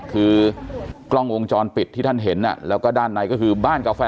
คือกล้องวงจรปิดที่ท่านเห็นแล้วก็ด้านในก็คือบ้านกาแฟ